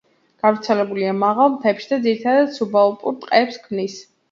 გავრცელებულია მაღალ მთებში და ძირითადად სუბალპურ ტყეებს ქმნის.